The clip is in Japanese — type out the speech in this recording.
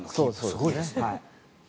すごいですね。